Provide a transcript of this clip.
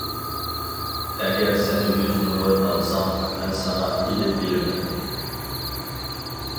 ئەگەر سەن يۈز نومۇر ئالساڭ، مەن ساڭا. ئېلىپ بىرىمەن.